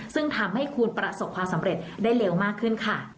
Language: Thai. ซึ่งทำให้คุณประสบความสำเร็จได้เร็วมากขึ้นค่ะ